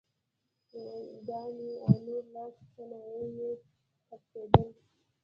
ګاڼې او نور لاسي صنایع یې خرڅېدل.